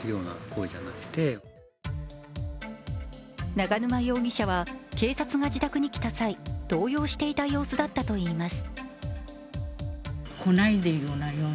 永沼容疑者は警察が自宅に来た際、動揺していた様子だったといいます。